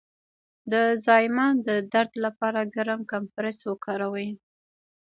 د زایمان د درد لپاره ګرم کمپرس وکاروئ